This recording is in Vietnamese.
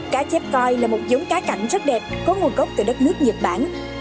cá chép coi là một giống cá cảnh rất đẹp có nguồn gốc từ đất nước nhật bản